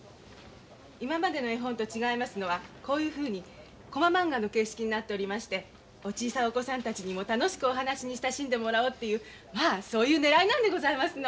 今までの絵本と違いますのはこういうふうにコマまんがの形式になっておりましてお小さいお子さんたちにも楽しくお話に親しんでもらおうっていうまあそういうねらいなんでございますの。